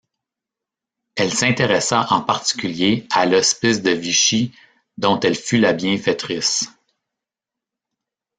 Elle s'intéressa en particulier à l'hospice de Vichy, dont elle fut la bienfaitrice.